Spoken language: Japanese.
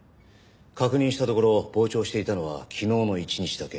確認したところ傍聴していたのは昨日の１日だけ。